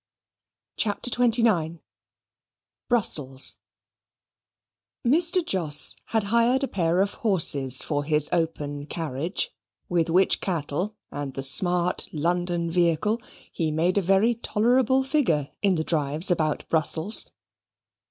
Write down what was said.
CHAPTER XXIX Brussels Mr. Jos had hired a pair of horses for his open carriage, with which cattle, and the smart London vehicle, he made a very tolerable figure in the drives about Brussels.